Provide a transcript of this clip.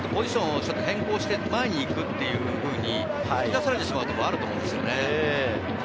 だから、ちょっとポジションを変更して前に行くっていうふうに引き出されてしまうところはあると思うんですよね。